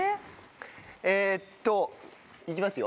えっと行きますよ。